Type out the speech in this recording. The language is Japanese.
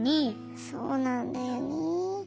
そうなんだよね。